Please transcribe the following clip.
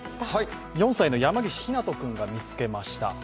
４歳の山岸陽南斗君が見つけました。